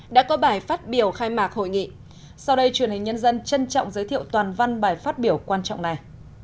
đã có bài phát biểu khai mạc hội nghị sau đây truyền hình nhân dân trân trọng giới thiệu toàn văn bài phát biểu quan trọng này